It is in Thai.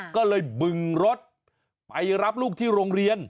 ก็เลยบึงรถไปรับลูกที่โรงเรียน